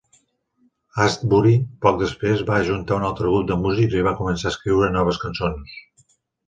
Astbury, poc després, va ajuntar un altre grup de músics i va començar a escriure noves cançons.